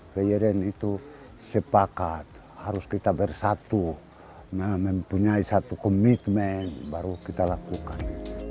presiden itu sepakat harus kita bersatu mempunyai satu komitmen baru kita lakukan